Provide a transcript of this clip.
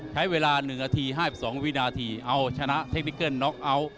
ใช้เวลา๑นาที๕๒วินาทีเอาชนะเทคนิเกิ้ลน็อกเอาท์